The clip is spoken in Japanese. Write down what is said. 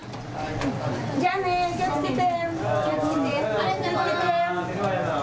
じゃあね、気をつけて。